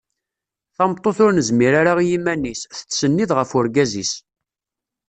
Tameṭṭut ur nezmir ara i yiman-is tettsennid ɣef urgaz-is.